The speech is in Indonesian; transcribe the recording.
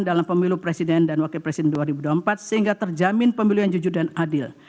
dalam pemilu presiden dan wakil presiden dua ribu dua puluh empat sehingga terjamin pemilu yang jujur dan adil